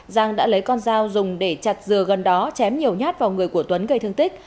giang đã lấy con dao dùng để chặt dừa gần đó chém nhiều nhát vào người của tuấn gây thương tích